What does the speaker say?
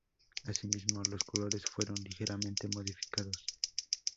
Así mismo, los colores fueron ligeramente modificados.